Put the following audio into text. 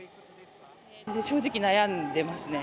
正直悩んでますね。